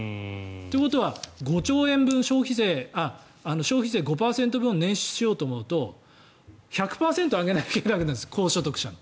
ということは消費税５％分を捻出しようと思うと１００％上げないといけなくなるんです高所得者に。